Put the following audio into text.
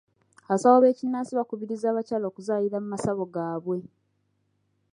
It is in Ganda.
Abasawo b'ekinnansi bakubirizza abakyala okuzaalira mu masabo gaabwe.